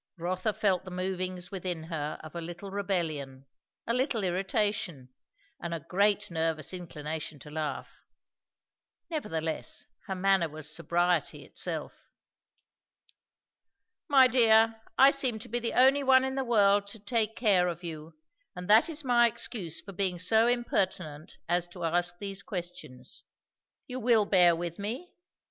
Rotha felt the movings within her of a little rebellion, a little irritation, and a great nervous inclination to laugh; nevertheless her manner was sobriety itself. "My dear, I seem to be the only one in the world to take care of you; and that is my excuse for being so impertinent as to ask these questions. You will bear with me?